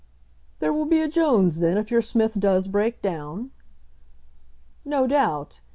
"There will be a Jones, then, if your Smith does break down?" "No doubt.